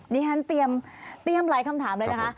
ดิฉันเตรียมหลายคำถามเลยนะคะ